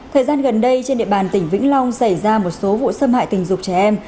thời gian gần đây trên địa bàn tỉnh vĩnh long xảy ra một số vụ xâm hại tình dục trẻ em